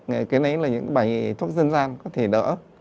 cái này là những bài thuốc dân gian có thể đỡ